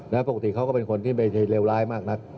และปกติเขาก็เป็นคนที่เป็นเรียวร้ายมาก